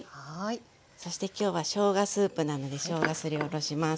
そしてきょうはしょうがスープなのでしょうがすりおろします。